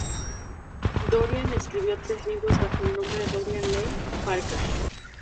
Dorian escribió tres libros, bajo el nombre Dorian Leigh Parker.